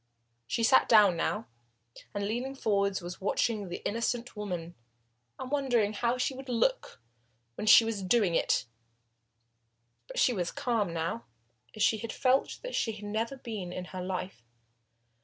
She had sat down now, and leaning forwards, was watching the innocent woman and wondering how she would look when she was doing it. But she was calm now, as she felt that she had never been in her life.